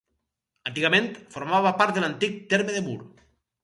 Antigament formava part de l'antic terme de Mur.